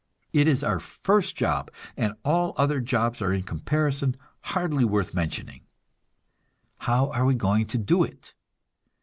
It is our first job, and all other jobs are in comparison hardly worth mentioning. How are we going to do it?